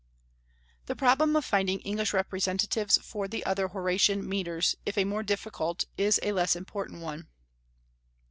The problem of finding English representatives for the other Horatian metres, if a more difficult, is a less important one.